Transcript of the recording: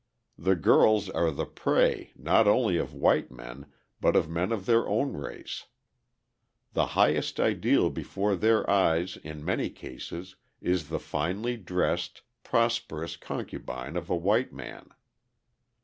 The girls are the prey not only of white men but of men of their own race. The highest ideal before their eyes in many cases is the finely dressed, prosperous concubine of a white man.